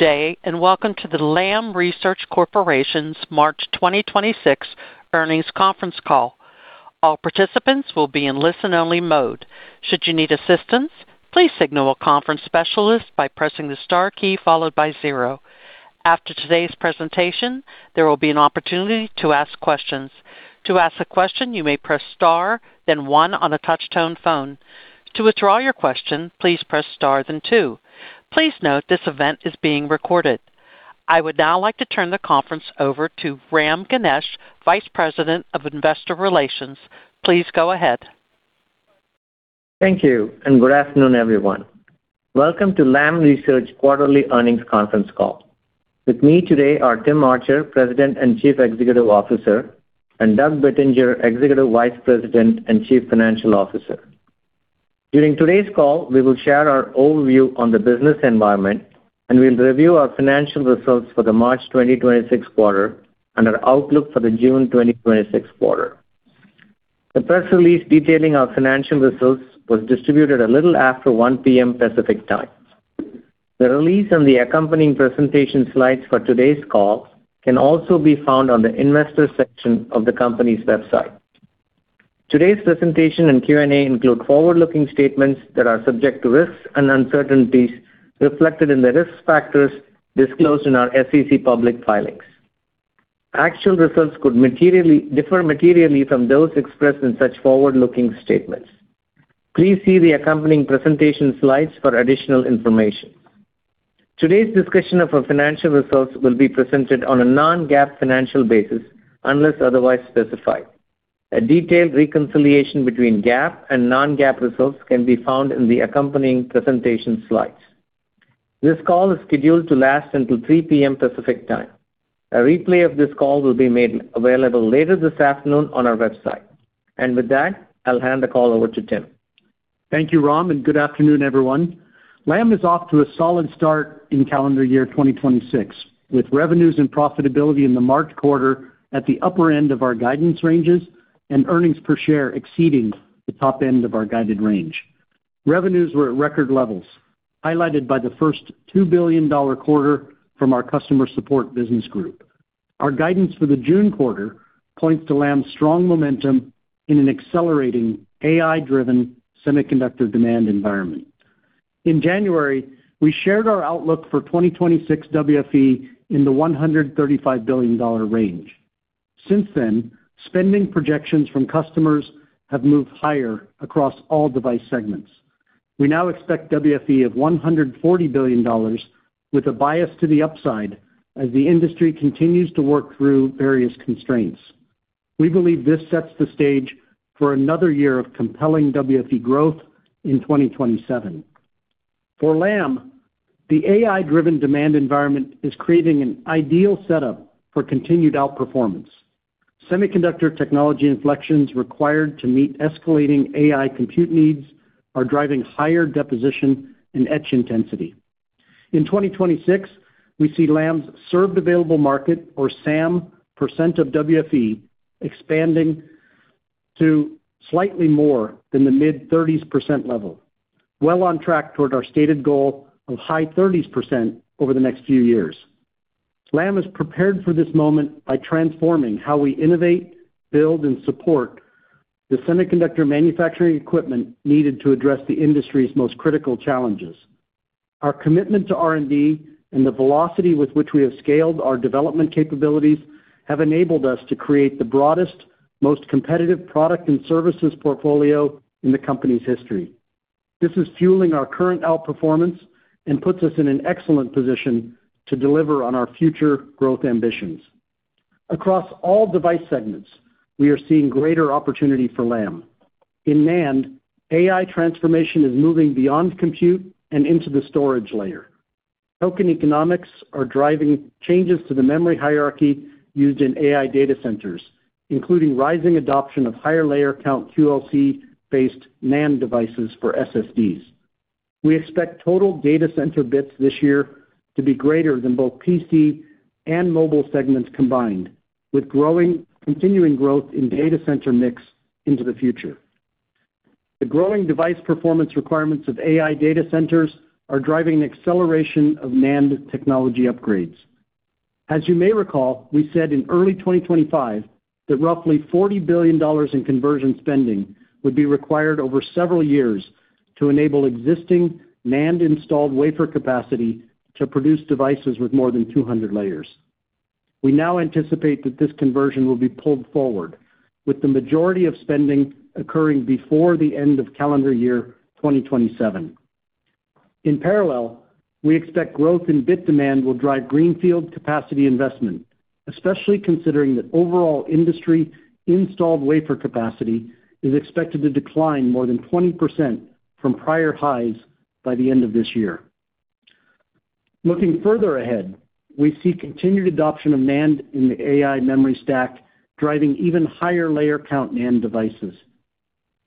day, and welcome to the Lam Research Corporation's March 2026 earnings conference call. All participants will be in listen-only mode. Should you need assistance, please signal a conference specialist by pressing the star key followed by zero. After today's presentation, there will be an opportunity to ask questions. To ask a question, you may press star then 1 on a touch-tone phone. To withdraw your question, please press star then 2. Please note this event is being recorded. I would now like to turn the conference over to Ram Ganesh, Vice President of Investor Relations. Please go ahead. Thank you, and good afternoon, everyone. Welcome to Lam Research quarterly earnings conference call. With me today are Tim Archer, President and Chief Executive Officer, and Douglas Bettinger, Executive Vice President and Chief Financial Officer. During today's call, we will share our overview on the business environment, and we'll review our financial results for the March 2026 quarter and our outlook for the June 2026 quarter. The press release detailing our financial results was distributed a little after 1:00 P.M. Pacific Time. The release and the accompanying presentation slides for today's call can also be found on the Investors section of the company's website. Today's presentation and Q&A include forward-looking statements that are subject to risks and uncertainties reflected in the risk factors disclosed in our SEC public filings. Actual results could differ materially from those expressed in such forward-looking statements. Please see the accompanying presentation slides for additional information. Today's discussion of our financial results will be presented on a non-GAAP financial basis, unless otherwise specified. A detailed reconciliation between GAAP and non-GAAP results can be found in the accompanying presentation slides. This call is scheduled to last until 3 P.M. Pacific Time. A replay of this call will be made available later this afternoon on our website. With that, I'll hand the call over to Tim. Thank you, Ram, and good afternoon, everyone. Lam is off to a solid start in calendar year 2026, with revenues and profitability in the March quarter at the upper end of our guidance ranges and earnings per share exceeding the top end of our guided range. Revenues were at record levels, highlighted by the 1st $2 billion quarter from our customer support business group. Our guidance for the June quarter points to Lam's strong momentum in an accelerating AI-driven semiconductor demand environment. In January, we shared our outlook for 2026 WFE in the $135 billion range. Since then, spending projections from customers have moved higher across all device segments. We now expect WFE of $140 billion with a bias to the upside as the industry continues to work through various constraints. We believe this sets the stage for another year of compelling WFE growth in 2027. For Lam, the AI-driven demand environment is creating an ideal setup for continued outperformance. Semiconductor technology inflections required to meet escalating AI compute needs are driving higher deposition and etch intensity. In 2026, we see Lam's served available market, or SAM, percent of WFE expanding to slightly more than the mid-thirties % level, well on track toward our stated goal of high thirties % over the next few years. Lam is prepared for this moment by transforming how we innovate, build, and support the semiconductor manufacturing equipment needed to address the industry's most critical challenges. Our commitment to R&D and the velocity with which we have scaled our development capabilities have enabled us to create the broadest, most competitive product and services portfolio in the company's history. This is fueling our current outperformance and puts us in an excellent position to deliver on our future growth ambitions. Across all device segments, we are seeing greater opportunity for Lam. In NAND, AI transformation is moving beyond compute and into the storage layer. Token economics are driving changes to the memory hierarchy used in AI data centers, including rising adoption of higher layer count QLC-based NAND devices for SSDs. We expect total data center bits this year to be greater than both PC and mobile segments combined, with continuing growth in data center mix into the future. The growing device performance requirements of AI data centers are driving an acceleration of NAND technology upgrades. As you may recall, we said in early 2025 that roughly $40 billion in conversion spending would be required over several years to enable existing NAND-installed wafer capacity to produce devices with more than 200 layers. We now anticipate that this conversion will be pulled forward, with the majority of spending occurring before the end of calendar year 2027. In parallel, we expect growth in bit demand will drive greenfield capacity investment, especially considering that overall industry installed wafer capacity is expected to decline more than 20% from prior highs by the end of this year. Looking further ahead, we see continued adoption of NAND in the AI memory stack driving even higher layer count NAND devices.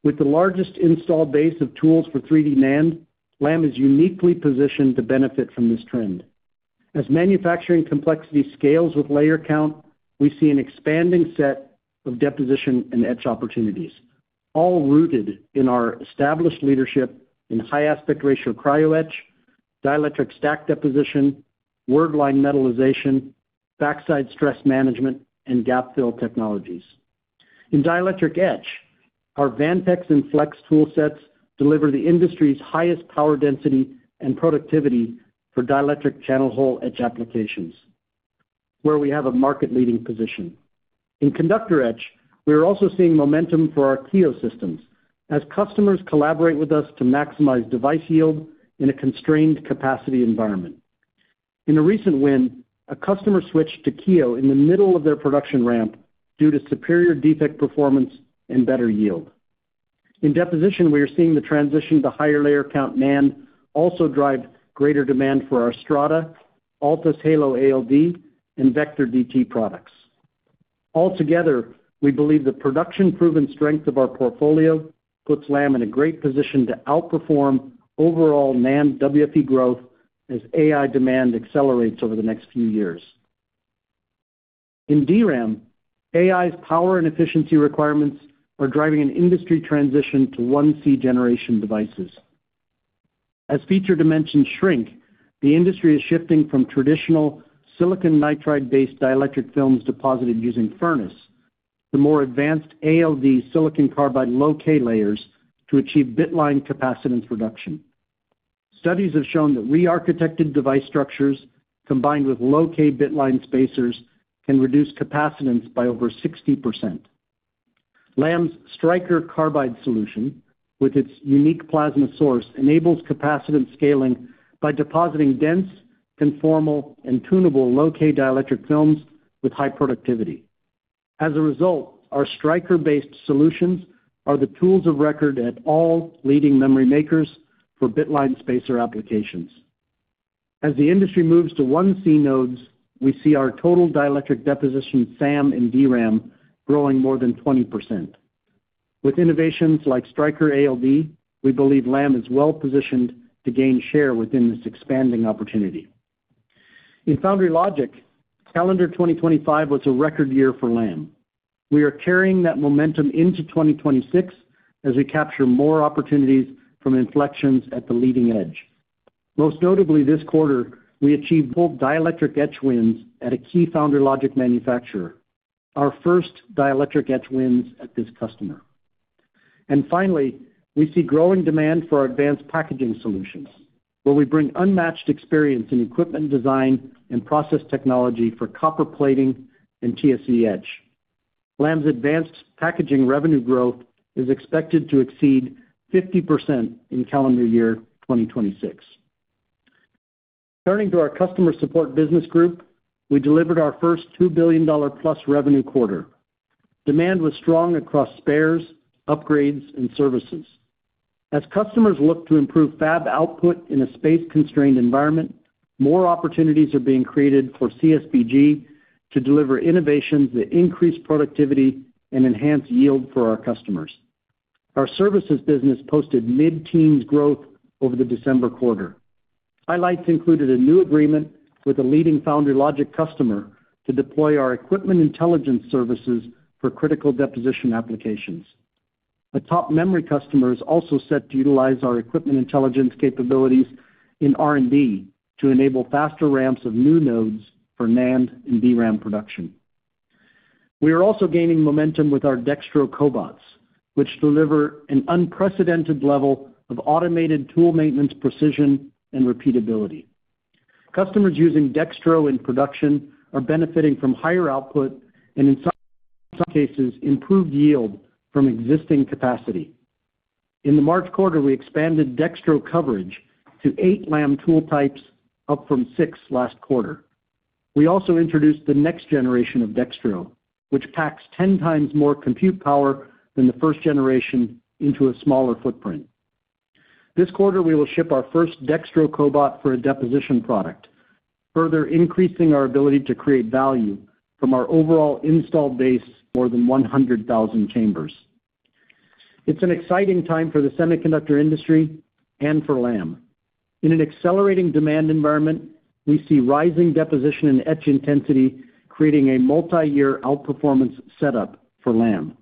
With the largest installed base of tools for 3D NAND, Lam is uniquely positioned to benefit from this trend. As manufacturing complexity scales with layer count, we see an expanding set of deposition and etch opportunities. All rooted in our established leadership in high aspect ratio cryo etch, dielectric stack deposition, word line metallization, backside stress management, and gap fill technologies. In dielectric etch, our Vantex and Flex tool sets deliver the industry's highest power density and productivity for dielectric channel hole etch applications, where we have a market-leading position. In conductor etch, we are also seeing momentum for our Kiyo systems as customers collaborate with us to maximize device yield in a constrained capacity environment. In a recent win, a customer switched to Kiyo in the middle of their production ramp due to superior defect performance and better yield. In deposition, we are seeing the transition to higher layer count NAND also drive greater demand for our Strata, ALTUS Halo ALD, and VECTOR DT products. Altogether, we believe the production-proven strength of our portfolio puts Lam in a great position to outperform overall NAND WFE growth as AI demand accelerates over the next few years. In DRAM, AI's power and efficiency requirements are driving an industry transition to 1C generation devices. As feature dimensions shrink, the industry is shifting from traditional silicon nitride-based dielectric films deposited using furnace to more advanced ALD silicon carbide low-k layers to achieve bitline capacitance reduction. Studies have shown that re-architected device structures, combined with low-k bitline spacers, can reduce capacitance by over 60%. Lam's Striker carbide solution, with its unique plasma source, enables capacitance scaling by depositing dense, conformal, and tunable low-k dielectric films with high productivity. As a result, our Striker-based solutions are the tools of record at all leading memory makers for bitline spacer applications. As the industry moves to 1C nodes, we see our total dielectric deposition, SAM and DRAM, growing more than 20%. With innovations like Striker ALD, we believe Lam is well-positioned to gain share within this expanding opportunity. In foundry logic, calendar 2025 was a record year for Lam. We are carrying that momentum into 2026 as we capture more opportunities from inflections at the leading edge. Most notably this quarter, we achieved both dielectric etch wins at a key foundry logic manufacturer, our 1st dielectric etch wins at this customer. Finally, we see growing demand for our advanced packaging solutions, where we bring unmatched experience in equipment design and process technology for copper plating and TSV etch. Lam's advanced packaging revenue growth is expected to exceed 50% in calendar year 2026. Turning to our customer support business group, we delivered our 1st $2 billion-plus revenue quarter. Demand was strong across spares, upgrades, and services. As customers look to improve fab output in a space-constrained environment, more opportunities are being created for CSBG to deliver innovations that increase productivity and enhance yield for our customers. Our services business posted mid-teens growth over the December quarter. Highlights included a new agreement with a leading foundry logic customer to deploy our Equipment Intelligence services for critical deposition applications. A top memory customer is also set to utilize our Equipment Intelligence capabilities in R&D to enable faster ramps of new nodes for NAND and DRAM production. We are also gaining momentum with our Dextro cobots, which deliver an unprecedented level of automated tool maintenance precision and repeatability. Customers using Dextro in production are benefiting from higher output and, in some cases, improved yield from existing capacity. In the March quarter, we expanded Dextro coverage to 8 Lam tool types, up from 6 last quarter. We also introduced the next generation of Dextro, which packs 10 times more compute power than the 1st generation into a smaller footprint. This quarter, we will ship our 1st Dextro cobot for a deposition product, further increasing our ability to create value from our overall installed base of more than 100,000 chambers. It's an exciting time for the semiconductor industry and for Lam. In an accelerating demand environment, we see rising deposition and etch intensity, creating a multiyear outperformance setup for Lam.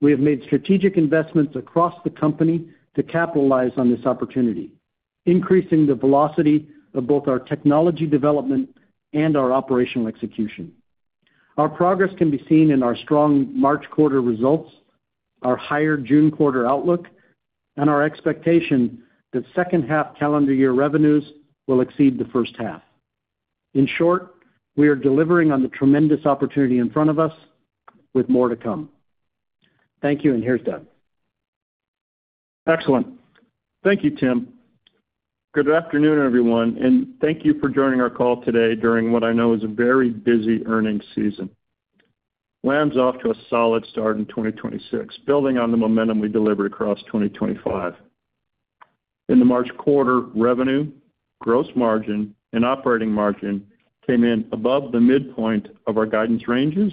We have made strategic investments across the company to capitalize on this opportunity, increasing the velocity of both our technology development and our operational execution. Our progress can be seen in our strong March quarter results, our higher June quarter outlook, and our expectation that H2 calendar year revenues will exceed the H1. In short, we are delivering on the tremendous opportunity in front of us with more to come. Thank you, and here's Doug. Excellent. Thank you, Tim. Good afternoon, everyone, and thank you for joining our call today during what I know is a very busy earnings season. Lam's off to a solid start in 2026, building on the momentum we delivered across 2025. In the March quarter, revenue, gross margin, and operating margin came in above the midpoint of our guidance ranges,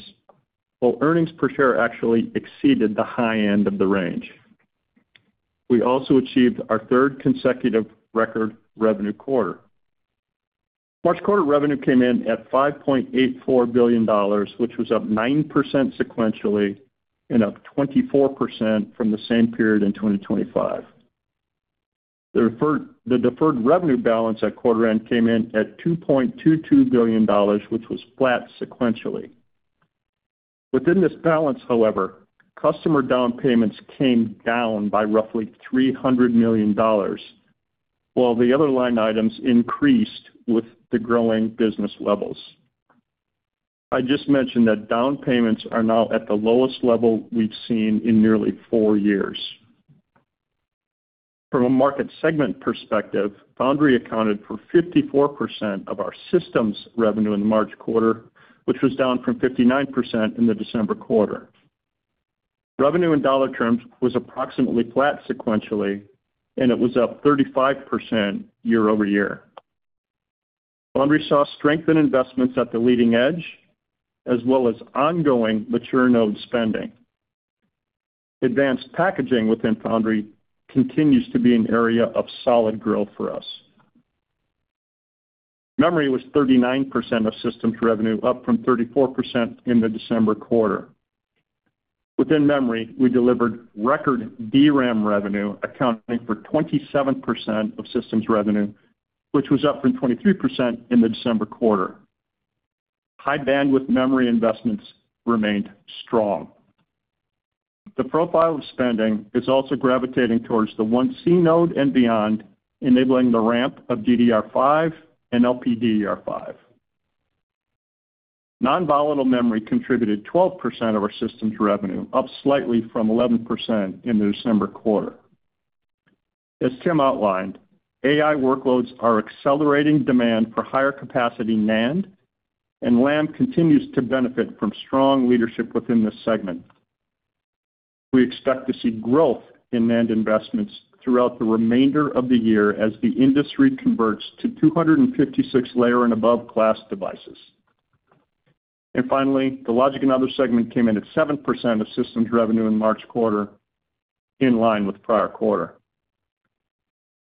while earnings per share actually exceeded the high end of the range. We also achieved our 3rd consecutive record revenue quarter. March quarter revenue came in at $5.84 billion, which was up 9% sequentially and up 24% from the same period in 2025. The deferred revenue balance at quarter end came in at $2.22 billion, which was flat sequentially. Within this balance, however, customer down payments came down by roughly $300 million, while the other line items increased with the growing business levels. I just mentioned that down payments are now at the lowest level we've seen in nearly 4 years. From a market segment perspective, Foundry accounted for 54% of our systems revenue in the March quarter, which was down from 59% in the December quarter. Revenue in dollar terms was approximately flat sequentially, and it was up 35% year-over-year. Foundry saw strength in investments at the leading edge, as well as ongoing mature node spending. Advanced packaging within Foundry continues to be an area of solid growth for us. Memory was 39% of systems revenue, up from 34% in the December quarter. Within Memory, we delivered record DRAM revenue, accounting for 27% of systems revenue, which was up from 23% in the December quarter. High bandwidth memory investments remained strong. The profile of spending is also gravitating towards the 1C node and beyond, enabling the ramp of DDR5 and LPDDR5. Non-volatile memory contributed 12% of our systems revenue, up slightly from 11% in the December quarter. As Tim outlined, AI workloads are accelerating demand for higher capacity NAND, and Lam continues to benefit from strong leadership within this segment. We expect to see growth in NAND investments throughout the remainder of the year as the industry converts to 256 layer and above class devices. Finally, the Logic and Other segment came in at 7% of systems revenue in March quarter, in line with prior quarter.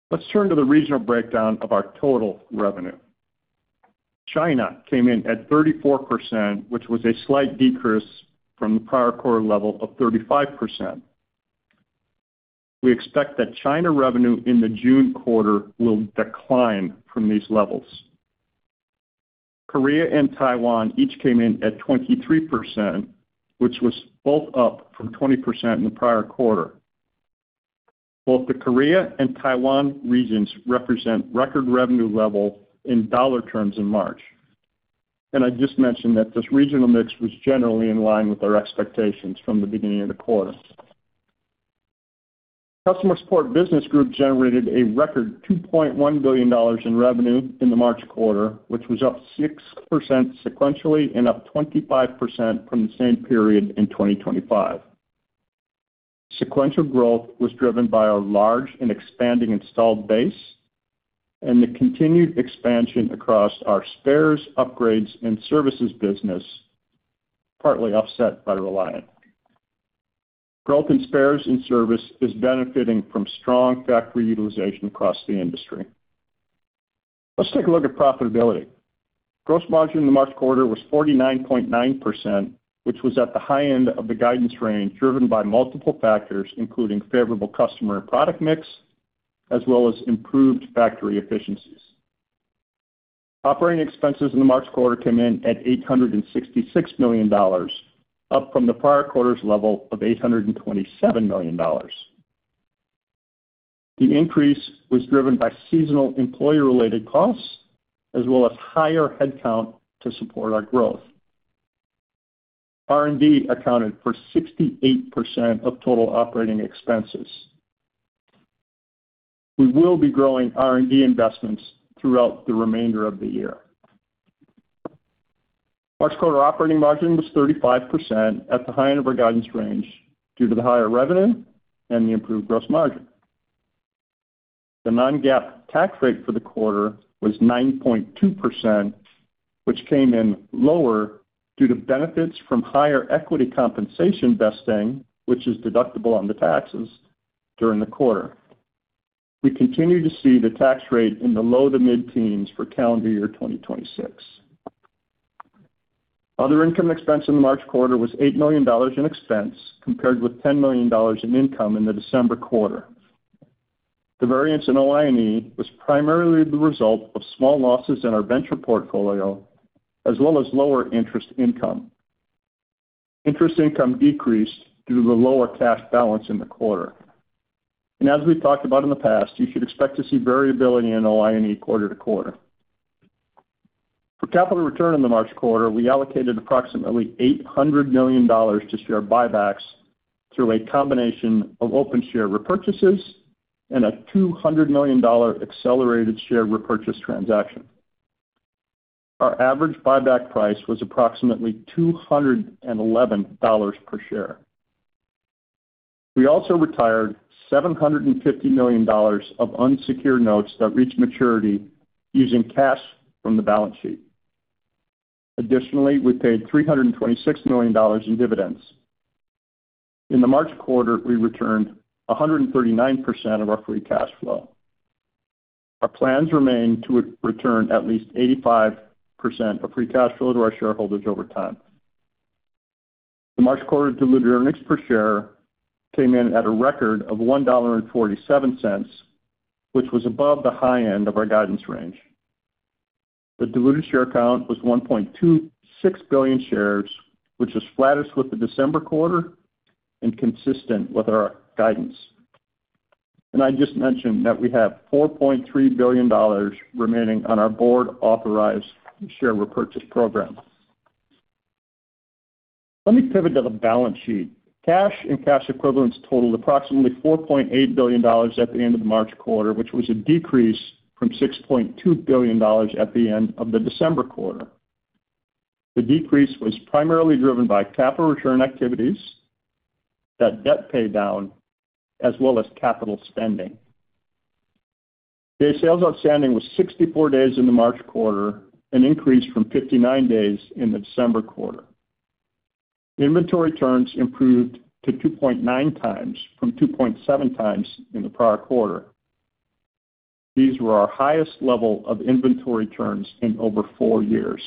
Let's turn to the regional breakdown of our total revenue. China came in at 34%, which was a slight decrease from the prior quarter level of 35%. We expect that China revenue in the June quarter will decline from these levels. Korea and Taiwan each came in at 23%, which was both up from 20% in the prior quarter. Both the Korea and Taiwan regions represent record revenue level in dollar terms in March. I just mentioned that this regional mix was generally in line with our expectations from the beginning of the quarter. Customer Support Business Group generated a record $2.1 billion in revenue in the March quarter, which was up 6% sequentially and up 25% from the same period in 2025. Sequential growth was driven by our large and expanding installed base and the continued expansion across our spares, upgrades, and services business, partly offset by Reliant. Growth in spares and service is benefiting from strong factory utilization across the industry. Let's take a look at profitability. Gross margin in the March quarter was 49.9%, which was at the high end of the guidance range, driven by multiple factors, including favorable customer product mix as well as improved factory efficiencies. Operating expenses in the March quarter came in at $866 million, up from the prior quarter's level of $827 million. The increase was driven by seasonal employee-related costs as well as higher headcount to support our growth. R&D accounted for 68% of total operating expenses. We will be growing R&D investments throughout the remainder of the year. March quarter operating margin was 35% at the high end of our guidance range due to the higher revenue and the improved gross margin. The non-GAAP tax rate for the quarter was 9.2%, which came in lower due to benefits from higher equity compensation vesting, which is deductible on the taxes during the quarter. We continue to see the tax rate in the low- to mid-teens% for calendar year 2026. Other income expense in the March quarter was $8 million in expense, compared with $10 million in income in the December quarter. The variance in OINE was primarily the result of small losses in our venture portfolio, as well as lower interest income. Interest income decreased due to the lower cash balance in the quarter. As we've talked about in the past, you should expect to see variability in OINE quarter to quarter. For capital return in the March quarter, we allocated approximately $800 million to share buybacks through a combination of open share repurchases and a $200 million accelerated share repurchase transaction. Our average buyback price was approximately $211 per share. We also retired $750 million of unsecured notes that reached maturity using cash from the balance sheet. Additionally, we paid $326 million in dividends. In the March quarter, we returned 139% of our free cash flow. Our plans remain to return at least 85% of free cash flow to our shareholders over time. The March quarter diluted earnings per share came in at a record of $1.47, which was above the high end of our guidance range. The diluted share count was 1.26 billion shares, which is flat with the December quarter, and consistent with our guidance. I just mentioned that we have $4.3 billion remaining on our board-authorized share repurchase program. Let me pivot to the balance sheet. Cash and cash equivalents totaled approximately $4.8 billion at the end of the March quarter, which was a decrease from $6.2 billion at the end of the December quarter. The decrease was primarily driven by capital return activities, the debt paydown, as well as capital spending. Days sales outstanding was 64 days in the March quarter, an increase from 59 days in the December quarter. Inventory turns improved to 2.9 times from 2.7 times in the prior quarter. These were our highest level of inventory turns in over four years.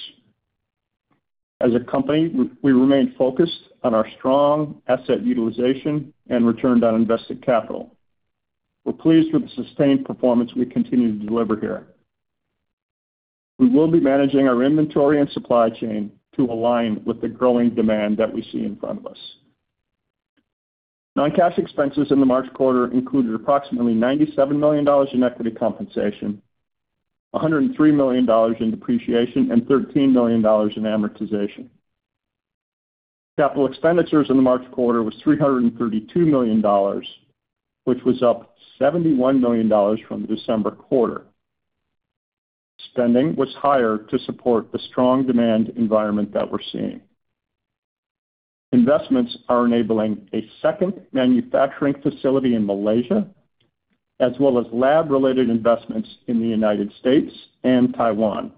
As a company, we remain focused on our strong asset utilization and return on invested capital. We're pleased with the sustained performance we continue to deliver here. We will be managing our inventory and supply chain to align with the growing demand that we see in front of us. Non-cash expenses in the March quarter included approximately $97 million in equity compensation, $103 million in depreciation, and $13 million in amortization. Capital expenditures in the March quarter was $332 million, which was up $71 million from the December quarter. Spending was higher to support the strong demand environment that we're seeing. Investments are enabling a 2nd manufacturing facility in Malaysia, as well as lab-related investments in the United States and Taiwan.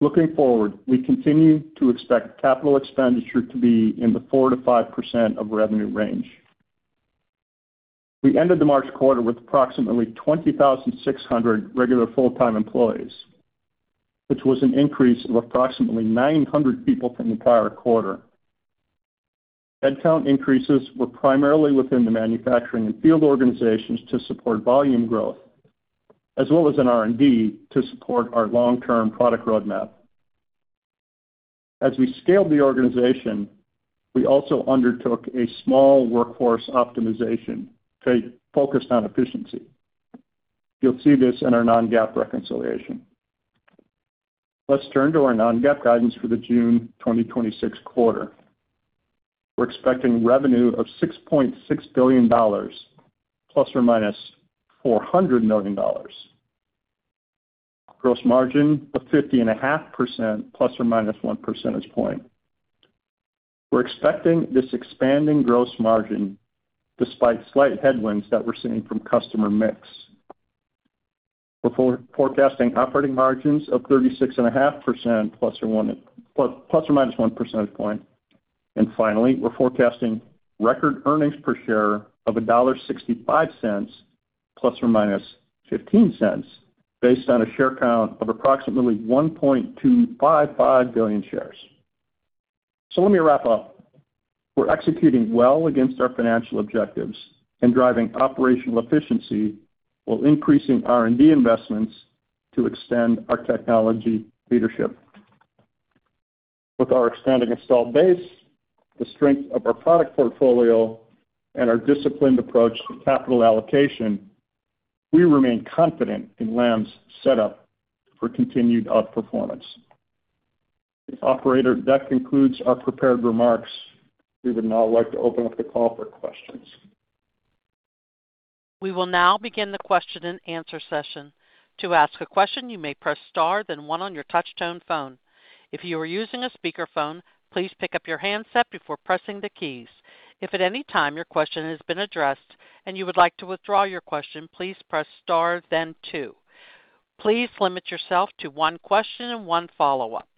Looking forward, we continue to expect capital expenditure to be in the 4%-5% of revenue range. We ended the March quarter with approximately 20,600 regular full-time employees, which was an increase of approximately 900 people from the prior quarter. Headcount increases were primarily within the manufacturing and field organizations to support volume growth, as well as in R&D to support our long-term product roadmap. As we scaled the organization, we also undertook a small workforce optimization focused on efficiency. You'll see this in our non-GAAP reconciliation. Let's turn to our non-GAAP guidance for the June 2026 quarter. We're expecting revenue of $6.6 billion ±$400 million. Gross margin of 50.5% ±1 percentage point. We're expecting this expanding gross margin despite slight headwinds that we're seeing from customer mix. We're forecasting operating margins of 36.5%, plus or minus one percentage point. Finally, we're forecasting record earnings per share of $1.65, plus or minus $0.15, based on a share count of approximately 1.255 billion shares. Let me wrap up. We're executing well against our financial objectives and driving operational efficiency while increasing R&D investments to extend our technology leadership. With our expanding installed base, the strength of our product portfolio, and our disciplined approach to capital allocation, we remain confident in Lam's setup for continued outperformance. Operator, that concludes our prepared remarks. We would now like to open up the call for questions. We will now begin the question and answer session. To ask a question, you may press star, then 1 on your touchtone phone. If you are using a speakerphone, please pick up your handset before pressing the keys. If at any time your question has been addressed and you would like to withdraw your question, please press star then 2. Please limit yourself to 1 question and one follow-up.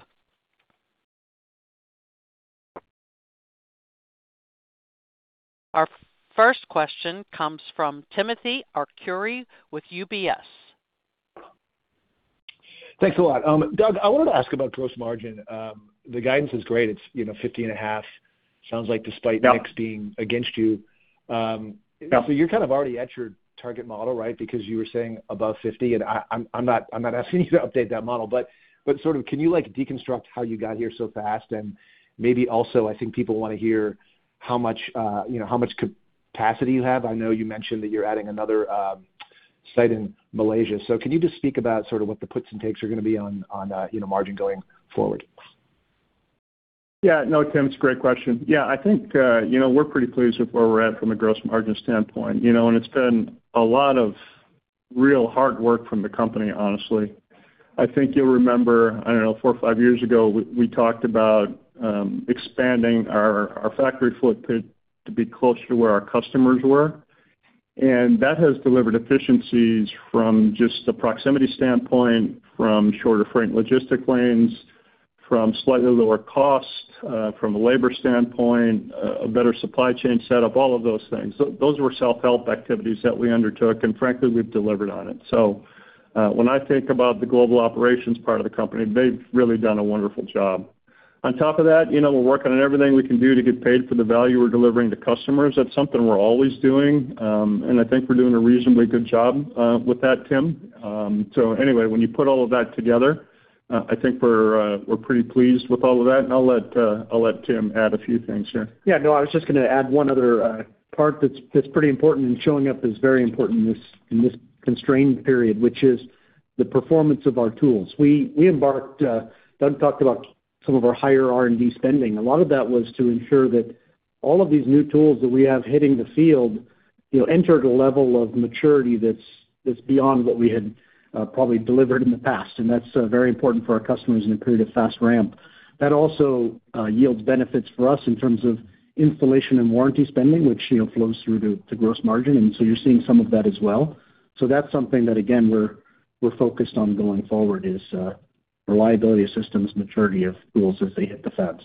Our 1st question comes from Timothy Arcuri with UBS. Thanks a lot. Doug, I wanted to ask about gross margin. The guidance is great. It's 50.5%. Sounds like despite mix being against you're kind of already at your target model, right? Because you were saying above 50%, and I'm not asking you to update that model, but can you deconstruct how you got here so fast? And maybe also, I think people want to hear how much capacity you have. I know you mentioned that you're adding another site in Malaysia. Can you just speak about what the puts and takes are going to be on margin going forward? Yeah. No, Tim, it's a great question. I think we're pretty pleased with where we're at from a gross margin standpoint. It's been a lot of real hard work from the company, honestly. I think you'll remember, I don't know, 4 or 5 years ago, we talked about expanding our factory footprint to be closer to where our customers were. That has delivered efficiencies from just a proximity standpoint, from shorter freight logistic lanes, from slightly lower cost from a labor standpoint, a better supply chain setup, all of those things. Those were self-help activities that we undertook, and frankly, we've delivered on it. When I think about the global operations part of the company, they've really done a wonderful job. On top of that, we're working on everything we can do to get paid for the value we're delivering to customers. That's something we're always doing, and I think we're doing a reasonably good job with that, Tim. Anyway, when you put all of that together, I think we're pretty pleased with all of that, and I'll let Tim add a few things here. Yeah, no, I was just going to add one other part that's pretty important and showing up as very important in this constrained period, which is the performance of our tools. Doug talked about some of our higher R&D spending. A lot of that was to ensure that all of these new tools that we have hitting the field enter at a level of maturity that's beyond what we had probably delivered in the past. That's very important for our customers in a period of fast ramp. That also yields benefits for us in terms of installation and warranty spending, which flows through to gross margin. You're seeing some of that as well. That's something that, again, we're focused on going forward, is reliability of systems, maturity of tools as they hit the fabs.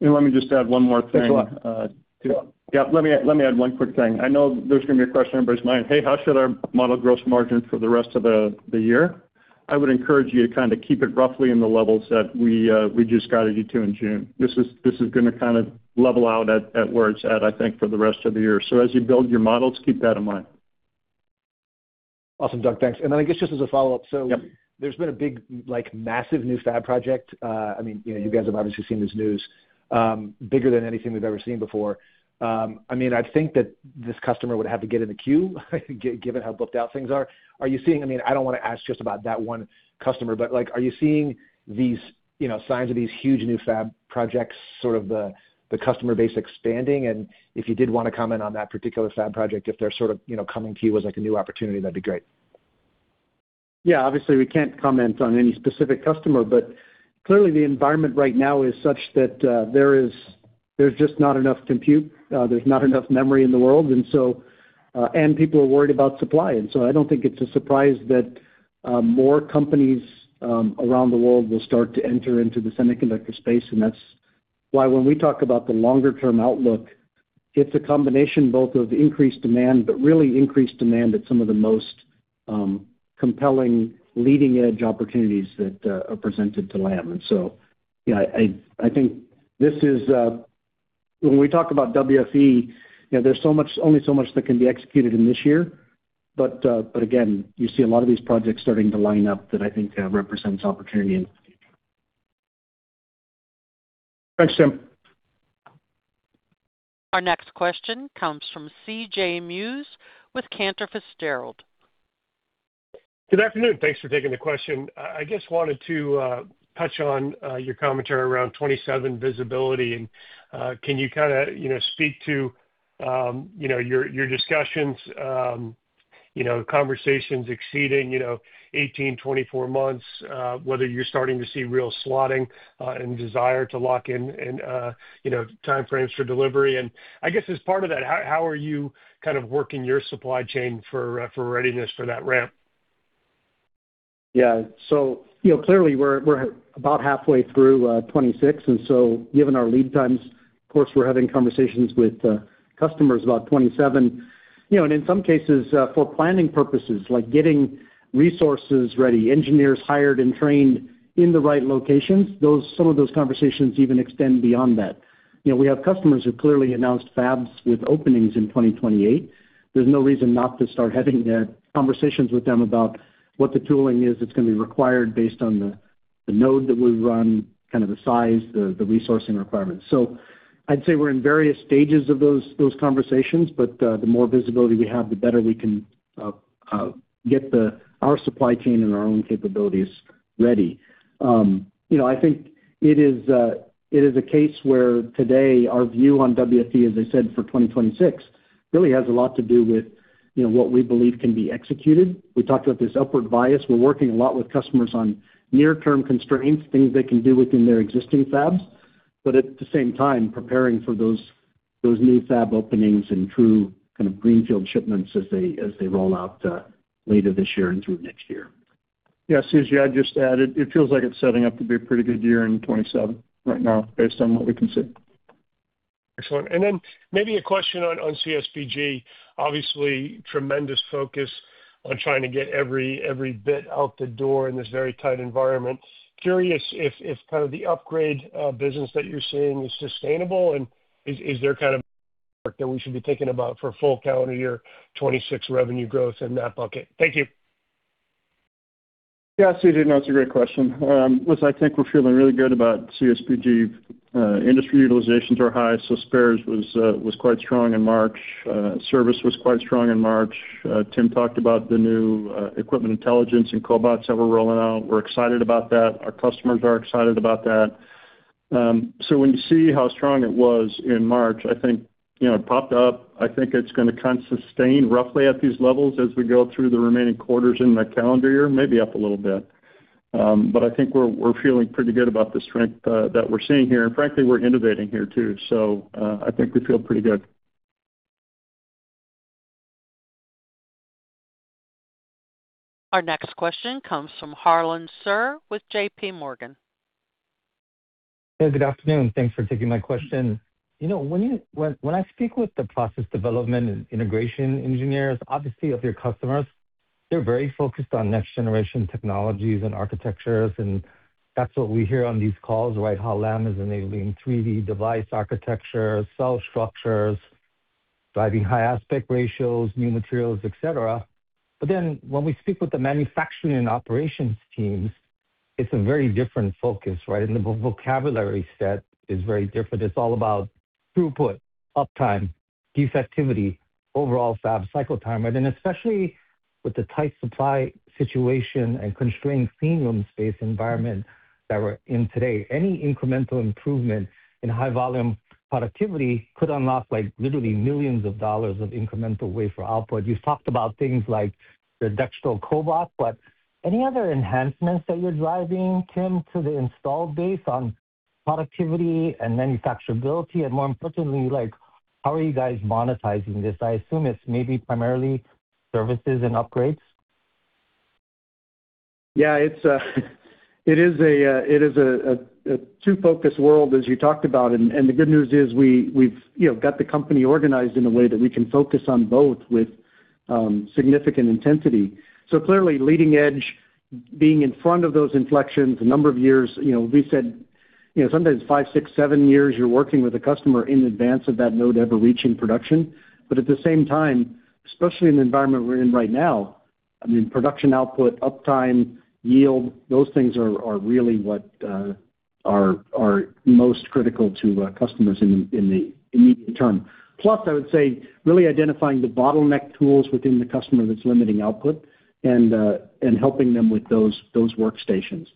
Let me just add one more thing. Please go on. Yeah, let me add one quick thing. I know there's going to be a question on everybody's mind. Hey, how should I model gross margin for the rest of the year? I would encourage you to kind of keep it roughly in the levels that we just guided you to in June. This is going to kind of level out at where it's at, I think, for the rest of the year. As you build your models, keep that in mind. Awesome, Doug. Thanks. I guess just as a follow-up. Yep. There's been a big, massive new fab project. You guys have obviously seen this news, bigger than anything we've ever seen before. I'd think that this customer would have to get in the queue, given how booked out things are. I don't want to ask just about that one customer, but are you seeing signs of these huge new fab projects, sort of the customer base expanding? If you did want to comment on that particular fab project, if they're sort of coming to you as a new opportunity, that'd be great. Yeah, obviously, we can't comment on any specific customer. Clearly the environment right now is such that there's just not enough compute, there's not enough memory in the world, and people are worried about supply. I don't think it's a surprise that more companies around the world will start to enter into the semiconductor space. That's why when we talk about the longer-term outlook, it's a combination both of increased demand, but really increased demand at some of the most compelling leading-edge opportunities that are presented to Lam. I think when we talk about WFE, there's only so much that can be executed in this year. Again, you see a lot of these projects starting to line up that I think represents opportunity in the future. Thanks, Tim. Our next question comes from C.J. Muse with Cantor Fitzgerald. Good afternoon. Thanks for taking the question. I just wanted to touch on your commentary around 2027 visibility. Can you kind of speak to your discussions, conversations exceeding 18, 24 months, whether you're starting to see real slotting and desire to lock in time frames for delivery? I guess as part of that, how are you kind of working your supply chain for readiness for that ramp? Yeah. Clearly we're about halfway through 2026, and so given our lead times, of course, we're having conversations with customers about 2027. In some cases, for planning purposes, like getting resources ready, engineers hired and trained in the right locations, some of those conversations even extend beyond that. We have customers who clearly announced fabs with openings in 2028. There's no reason not to start having conversations with them about what the tooling is that's going to be required based on the node that we run, kind of the size, the resourcing requirements. I'd say we're in various stages of those conversations. The more visibility we have, the better we can get our supply chain and our own capabilities ready. I think it is a case where today our view on WFE, as I said, for 2026, really has a lot to do with what we believe can be executed. We talked about this upward bias. We're working a lot with customers on near-term constraints, things they can do within their existing fabs, at the same time preparing for those new fab openings and true kind of greenfield shipments as they roll out later this year and through next year. Yeah, C.J., I'd just add, it feels like it's setting up to be a pretty good year in 2027 right now based on what we can see. Excellent. Maybe a question on CSBG. Obviously, tremendous focus on trying to get every bit out the door in this very tight environment. Curious if kind of the upgrade business that you're seeing is sustainable, and is there kind of work that we should be thinking about for full calendar year 2026 revenue growth in that bucket? Thank you. Yeah, C.J., no, it's a great question. Listen, I think we're feeling really good about CSBG. Industry utilizations are high, so spares was quite strong in March. Service was quite strong in March. Tim talked about the new Equipment Intelligence and cobots that we're rolling out. We're excited about that. Our customers are excited about that. When you see how strong it was in March, I think it popped up. I think it's going to kind of sustain roughly at these levels as we go through the remaining quarters in the calendar year, maybe up a little bit. I think we're feeling pretty good about the strength that we're seeing here. Frankly, we're innovating here too, so I think we feel pretty good. Our next question comes from Harlan Sur with JPMorgan. Hey, good afternoon. Thanks for taking my question. When I speak with the process development and integration engineers, obviously of your customers, they're very focused on next generation technologies and architectures, and that's what we hear on these calls, right? How Lam is enabling 3D device architecture, cell structures, driving high aspect ratios, new materials, et cetera. But then when we speak with the manufacturing and operations teams, it's a very different focus, right? And the vocabulary set is very different. It's all about throughput, uptime, defectivity, overall fab cycle time, right? And especially with the tight supply situation and constrained clean room space environment that we're in today, any incremental improvement in high volume productivity could unlock literally millions of dollars of incremental wafer output. You've talked about things like the Dextro cobot, but any other enhancements that you're driving, Tim, to the install base on productivity and manufacturability, and more importantly, how are you guys monetizing this? I assume it's maybe primarily services and upgrades. Yeah. It is a 2-focus world, as you talked about, and the good news is we've got the company organized in a way that we can focus on both with significant intensity. Clearly leading edge, being in front of those inflections a number of years, we said sometimes it's 5, 6, 7 years you're working with a customer in advance of that node ever reaching production. At the same time, especially in the environment we're in right now, production output, uptime, yield, those things are really what are most critical to customers in the immediate term. Plus, I would say really identifying the bottleneck tools within the customer that's limiting output and helping them with those workstations.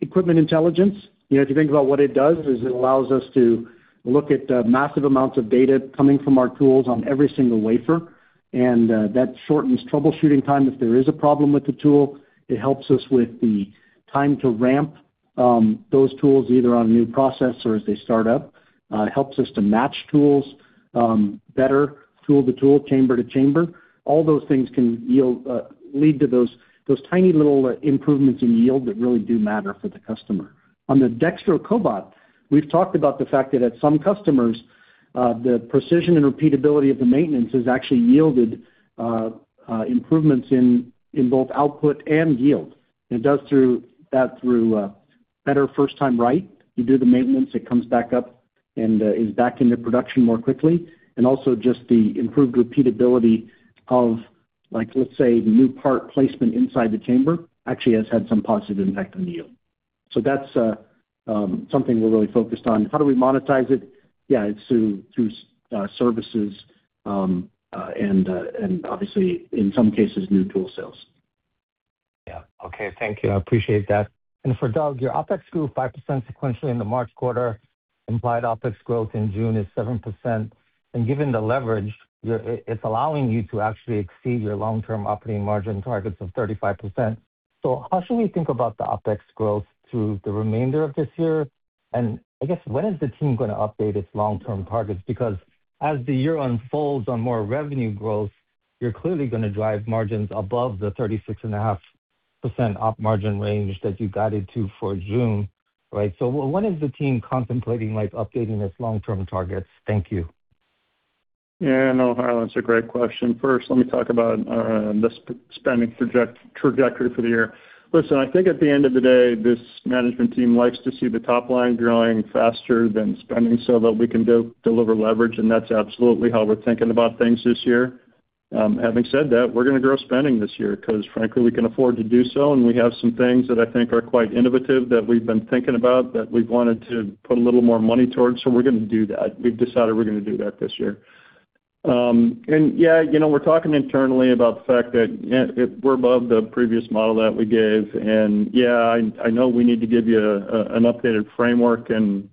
Equipment Intelligence, if you think about what it does is it allows us to look at massive amounts of data coming from our tools on every single wafer, and that shortens troubleshooting time if there is a problem with the tool. It helps us with the time to ramp those tools, either on a new process or as they start up. It helps us to match tools better, tool to tool, chamber to chamber. All those things can lead to those tiny little improvements in yield that really do matter for the customer. On the Dextro Cobot, we've talked about the fact that at some customers, the precision and repeatability of the maintenance has actually yielded improvements in both output and yield. It does that through better 1st time right. You do the maintenance, it comes back up and is back into production more quickly. Just the improved repeatability of let's say, the new part placement inside the chamber, actually has had some positive impact on the yield. That's something we're really focused on. How do we monetize it? Yeah, it's through services, and obviously in some cases, new tool sales. Yeah. Okay. Thank you. I appreciate that. For Doug, your OpEx grew 5% sequentially in the March quarter. Implied OpEx growth in June is 7%. Given the leverage, it's allowing you to actually exceed your long-term operating margin targets of 35%. How should we think about the OpEx growth through the remainder of this year? I guess, when is the team going to update its long-term targets? As the year unfolds on more revenue growth, you're clearly going to drive margins above the 36.5% operating margin range that you guided to for June, right? When is the team contemplating updating its long-term targets? Thank you. Yeah, no, Harlan, it's a great question. 1st, let me talk about the spending trajectory for the year. Listen, I think at the end of the day, this management team likes to see the top line growing faster than spending so that we can deliver leverage, and that's absolutely how we're thinking about things this year. Having said that, we're going to grow spending this year because frankly, we can afford to do so, and we have some things that I think are quite innovative that we've been thinking about that we wanted to put a little more money towards. We're going to do that. We've decided we're going to do that this year. Yeah, we're talking internally about the fact that we're above the previous model that we gave, and yeah, I know we need to give you an updated framework, and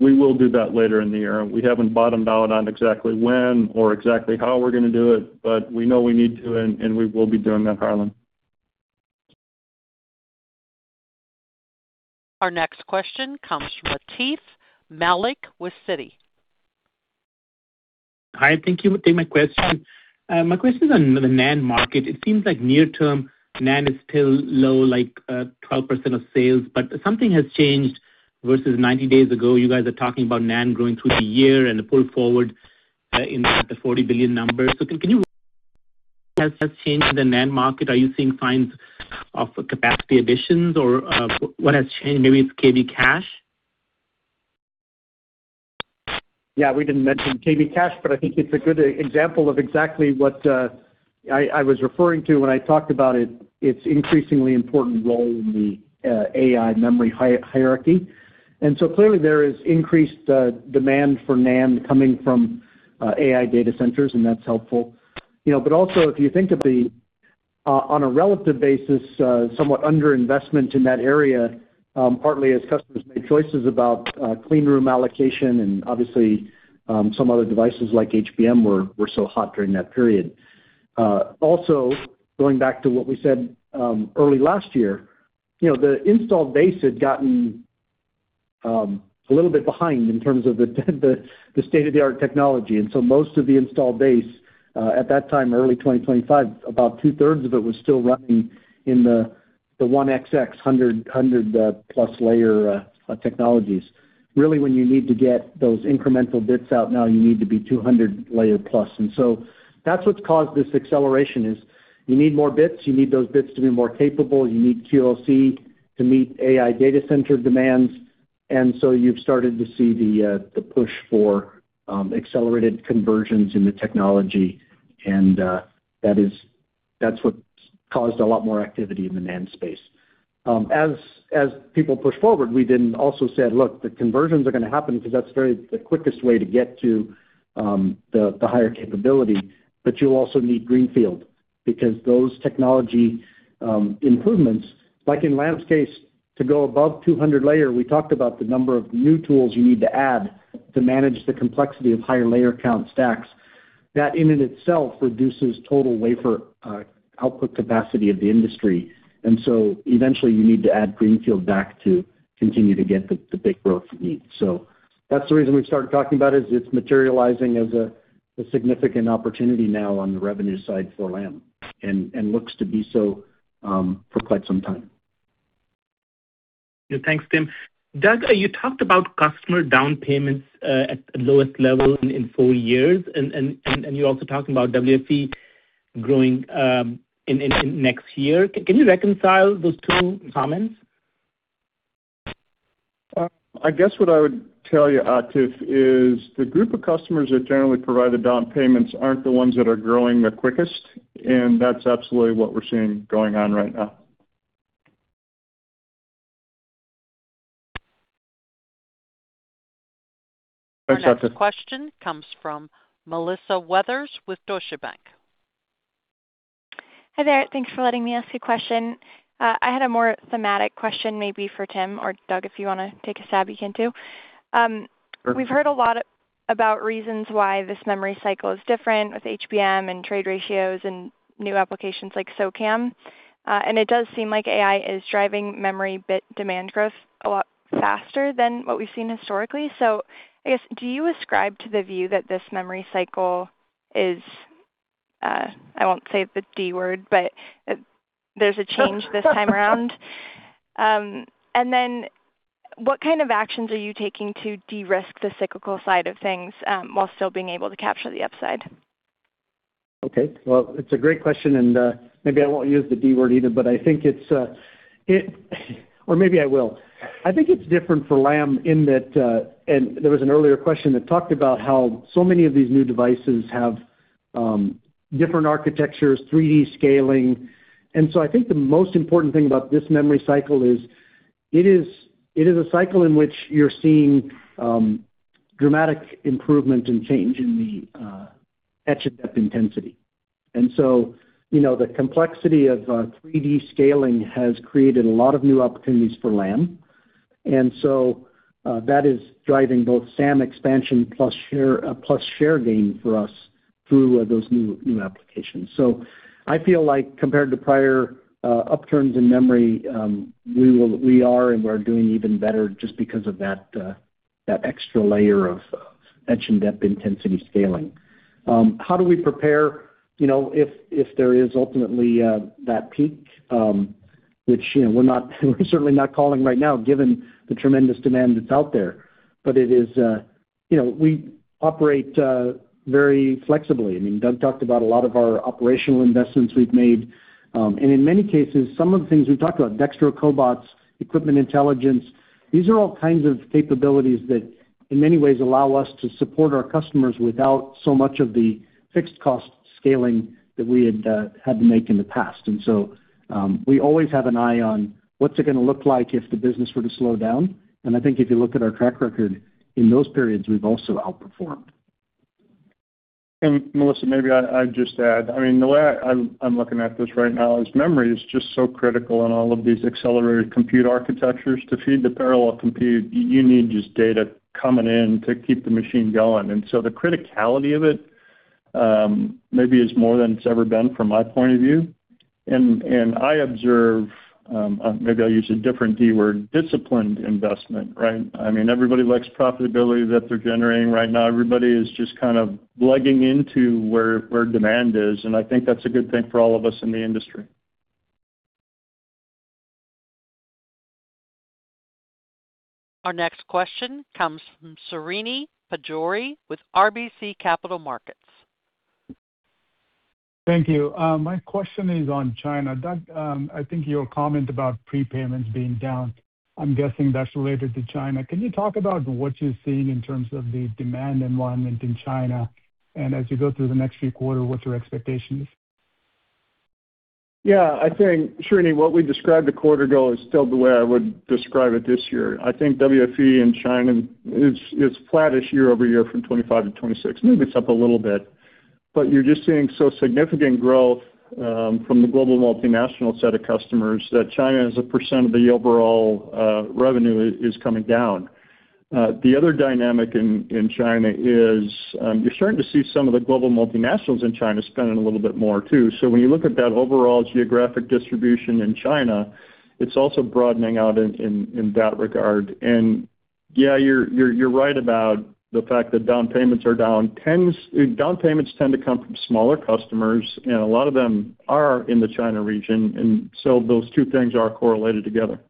we will do that later in the year. We haven't bottomed out on exactly when or exactly how we're going to do it, but we know we need to, and we will be doing that, Harlan. Our next question comes from Atif Malik with Citi. Hi, thank you for taking my question. My question is on the NAND market. It seems like near term, NAND is still low, like 12% of sales, but something has changed versus 90 days ago. You guys are talking about NAND growing through the year and the pull forward in the $40 billion number. What has changed in the NAND market? Are you seeing signs of capacity additions or what has changed? Maybe it's KV Cache. Yeah. We didn't mention KV Cache, but I think it's a good example of exactly what I was referring to when I talked about its increasingly important role in the AI memory hierarchy. Clearly there is increased demand for NAND coming from AI data centers, and that's helpful. Also, if you think of the, on a relative basis, somewhat under-investment in that area, partly as customers made choices about clean room allocation and obviously, some other devices like HBM were so hot during that period. Also going back to what we said early last year, the installed base had gotten a little bit behind in terms of the state-of-the-art technology. Most of the installed base at that time, early 2025, about 2/3 of it was still running in the 1XX 100-plus layer technologies. Really, when you need to get those incremental bits out, now you need to be 200 layer plus. That's what's caused this acceleration as you need more bits, you need those bits to be more capable. You need QLC to meet AI data center demands. You've started to see the push for accelerated conversions in the technology, and that's what's caused a lot more activity in the NAND space. As people push forward, we then also said, "Look, the conversions are going to happen because that's the quickest way to get to the higher capability. You'll also need greenfield because those technology improvements, like in Lam's case, to go above 200 layer, we talked about the number of new tools you need to add to manage the complexity of higher layer count stacks. That in and of itself reduces total wafer output capacity of the industry. Eventually you need to add greenfield back to continue to get the big growth you need. That's the reason we've started talking about it, is it's materializing as a significant opportunity now on the revenue side for Lam, and looks to be so for quite some time. Thanks, Tim. Doug, you talked about customer down payments at the lowest level in four years, and you're also talking about WFE growing in next year. Can you reconcile those 2 comments? I guess what I would tell you, Atif, is the group of customers that generally provide the down payments aren't the ones that are growing the quickest, and that's absolutely what we're seeing going on right now. Thanks, Atif. Our next question comes from Melissa Weathers with Deutsche Bank. Hi there. Thanks for letting me ask a question. I had a more thematic question, maybe forTim or Doug, if you want to take a stab, you can too. We've heard a lot about reasons why this memory cycle is different with HBM and trade ratios and new applications like SoCAM. It does seem like AI is driving memory bit demand growth a lot faster than what we've seen historically. I guess, do you ascribe to the view that this memory cycle is, I won't say the D word, but there's a change this time around? What kind of actions are you taking to de-risk the cyclical side of things, while still being able to capture the upside? Okay. Well, it's a great question and maybe I won't use the D word either, but I think it's different for Lam in that, and there was an earlier question that talked about how so many of these new devices have different architectures, 3D scaling. I think the most important thing about this memory cycle is it is a cycle in which you're seeing dramatic improvement and change in the etch and dep intensity. The complexity of 3D scaling has created a lot of new opportunities for Lam. That is driving both SAM expansion plus share gain for us through those new applications. I feel like compared to prior upturns in memory, we are and we're doing even better just because of that extra layer of etch and dep intensity scaling. How do we prepare if there is ultimately that peak? Which we're certainly not calling right now given the tremendous demand that's out there. We operate very flexibly. Doug talked about a lot of our operational investments we've made. In many cases, some of the things we've talked about, Dextro Cobots, Equipment Intelligence, these are all kinds of capabilities that in many ways allow us to support our customers without so much of the fixed cost scaling that we had to make in the past. We always have an eye on what's it going to look like if the business were to slow down. I think if you look at our track record in those periods, we've also outperformed. Melissa, maybe I'd just add, the way I'm looking at this right now is memory is just so critical in all of these accelerated compute architectures. To feed the parallel compute, you need just data coming in to keep the machine going. The criticality of it maybe is more than it's ever been from my point of view. I observe, maybe I'll use a different D word, disciplined investment, right? Everybody likes profitability that they're generating right now. Everybody is just kind of plugging into where demand is, and I think that's a good thing for all of us in the industry. Our next question comes from Srinivas Pajjuri with RBC Capital Markets. Thank you. My question is on China. Doug, I think your comment about prepayments being down. I'm guessing that's related to China. Can you talk about what you're seeing in terms of the demand environment in China? As you go through the next few quarters, what's your expectations? Yeah, I think Srini, what we described a quarter ago is still the way I would describe it this year. I think WFE in China is flattish year-over-year from 2025 - 2026. Maybe it's up a little bit. You're just seeing so significant growth from the global multinational set of customers that China as a percent of the overall revenue is coming down. The other dynamic in China is you're starting to see some of the global multinationals in China spending a little bit more too. When you look at that overall geographic distribution in China, it's also broadening out in that regard. Yeah, you're right about the fact that down payments are down. Down payments tend to come from smaller customers, and a lot of them are in the China region. Those 2 things are correlated together.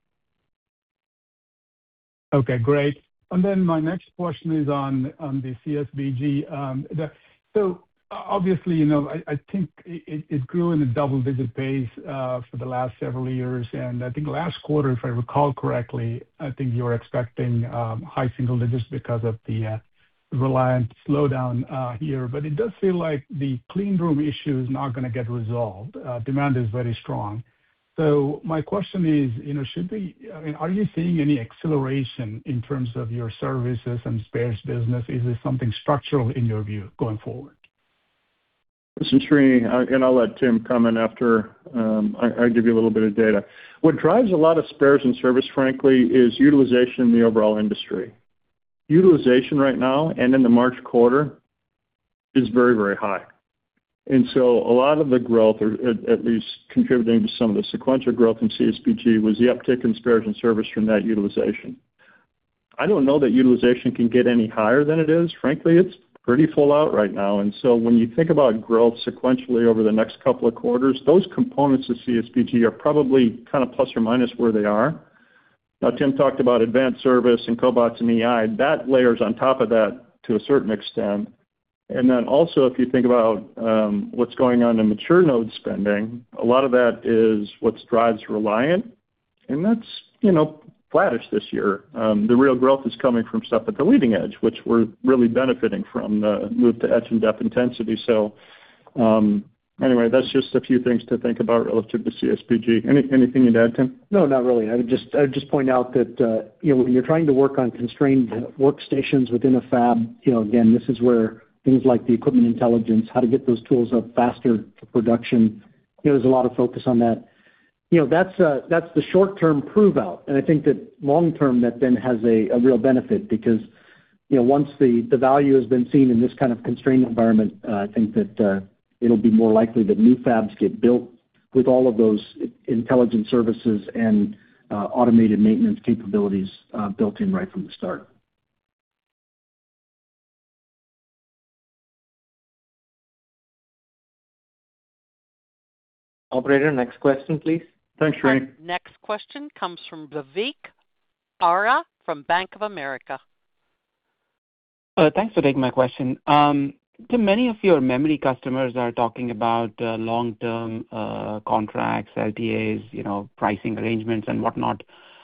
Okay, great. My next question is on the CSBG. Obviously, I think it grew in a double-digit pace for the last several years. I think last quarter, if I recall correctly, I think you were expecting high single digits because of the Reliant slowdown here. It does feel like the clean room issue is not going to get resolved. Demand is very strong. My question is, are you seeing any acceleration in terms of your services and spares business? Is this something structural in your view going forward? Listen, Srini, and I'll let Tim comment after I give you a little bit of data. What drives a lot of spares and service, frankly, is utilization in the overall industry. Utilization right now and in the March quarter is very, very high. A lot of the growth, or at least contributing to some of the sequential growth in CSBG, was the uptick in spares and service from that utilization. I don't know that utilization can get any higher than it is. Frankly, it's pretty full out right now. When you think about growth sequentially over the next couple of quarters, those components of CSBG are probably kind of plus or minus where they are. Now, Tim talked about advanced service and cobots and AI. That layers on top of that to a certain extent. Also, if you think about what's going on in mature node spending, a lot of that is what drives Reliant, and that's flattish this year. The real growth is coming from stuff at the leading edge, which we're really benefiting from the move to etch and deposition intensity. Anyway, that's just a few things to think about relative to CSBG. Anything you'd add, Tim? No, not really. I would just point out that when you're trying to work on constrained workstations within a fab, again, this is where things like the Equipment Intelligence, how to get those tools up faster to production, there's a lot of focus on that. That's the short-term prove out, and I think that long-term, that then has a real benefit because once the value has been seen in this kind of constrained environment, I think that it'll be more likely that new fabs get built with all of those intelligent services and automated maintenance capabilities built in right from the start. Operator, next question, please. Thanks, Srini. Next question comes from Vivek Arya from Bank of America. Thanks for taking my question. Tim, many of your memory customers are talking about long-term contracts, LTAs, pricing arrangements, and whatnot.